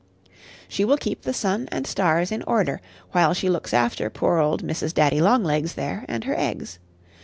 She will keep the sun and stars in order, while she looks after poor old Mrs. Daddy long legs there and her eggs.